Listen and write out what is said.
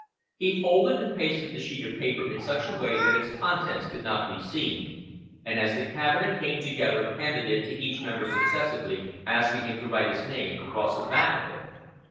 He folded and pasted the sheet of paper in such a way that its contents could not be seen, and as the cabinet came together handed it to each member successively, asking him to write his name across the back of it.